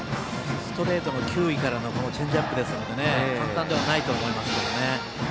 ストレートの球威からのこのチェンジアップなので簡単ではないと思いますけどね。